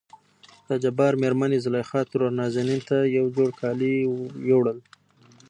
دجبار مېرمنې زليخا ترور نازنين ته نه يو جوړ کالي وړل.